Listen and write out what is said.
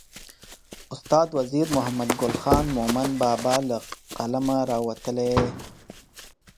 استاد وزیر محمدګل خان مومند بابا له قلمه راوتلې.